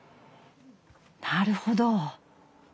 なるほど。